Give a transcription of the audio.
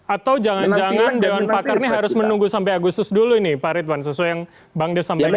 atau jangan jangan dewan pakar ini harus menunggu sampai agustus dulu nih pak ridwan sesuai yang bang dev sampaikan